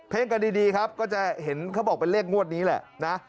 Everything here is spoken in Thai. กันดีครับก็จะเห็นเขาบอกเป็นเลขงวดนี้แหละนะ